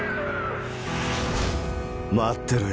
待ってろよ